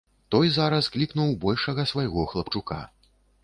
Той зараз клікнуў большага свайго хлапчука.